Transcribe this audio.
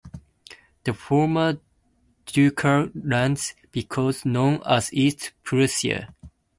The former ducal lands became known as East Prussia.